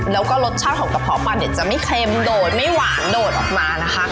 แล้วก็รสชาติของกระเพาะปลาเนี่ยจะไม่เค็มโดดไม่หวานโดดออกมานะคะ